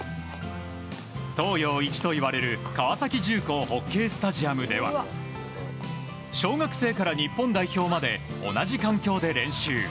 東洋一といわれる川崎重工ホッケースタジアムでは小学生から日本代表まで同じ環境で練習。